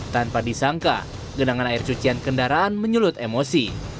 tanpa disangka genangan air cucian kendaraan menyulut emosi